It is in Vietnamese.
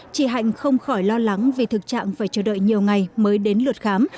chị hạnh không khỏi lo lắng vì thực trạng phải chờ đợi nhiều ngày mới đến lượt khám